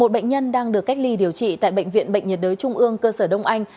một bệnh nhân đang được cách ly điều trị tại bệnh viện bệnh nhiệt đới trung ương cơ sở đông anh